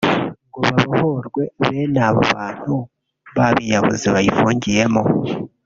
ngo habohorwe bene wabo b’biyahuzi bayifungiyemo